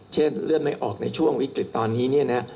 เช่นเลือดไม่ออกในช่วงวิกฤตตอนนี้